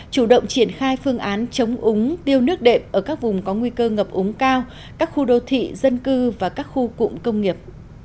chủ động triển khai phương án chống úng tiêu nước đệm ở các vùng có nguy cơ ngập úng cao các khu đô thị dân cư và các khu cụm công nghiệp